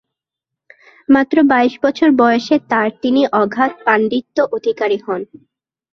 মাত্র বাইশ বছর বয়সে তাঁর তিনি অগাধ পাণ্ডিত্য অধিকারী হন।